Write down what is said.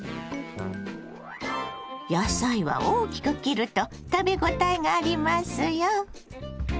野菜は大きく切ると食べ応えがありますよ。